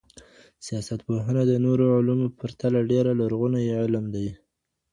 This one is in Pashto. سياست پوهنه د نورو علومو په پرتله ډېر لرغونی علم دی.